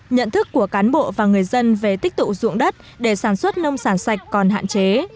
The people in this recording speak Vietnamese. nhận thức của cán bộ và người dân về tích tụ dụng đất để sản xuất nông sản sạch còn hạn chế